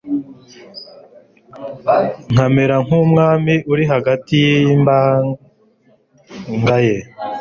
nkamera nk'umwami uri hagati y'imbaga ye